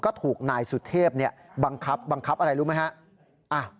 ก็ถูกนายสุเทพฯเนี่ยบังคับบังคับอะไรรู้ไหมฮะ